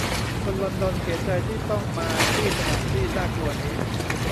คนลอนดอนเสียใจที่ต้องมาที่สถานที่น่ากลัวนี้